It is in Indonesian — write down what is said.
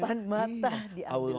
sudah di depan mata diambil semua